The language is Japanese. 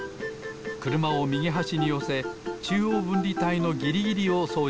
くるまをみぎはしによせちゅうおうぶんりたいのギリギリをそうじします。